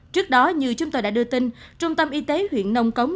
trước đó như chúng tôi đã đưa tin trung tâm y tế huyện nông cống